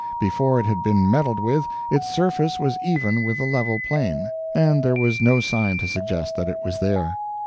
Before it had been meddled with, its surface was even with the level plain, and there was no sign to suggest that it was there.